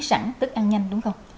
sẵn tức ăn nhanh đúng không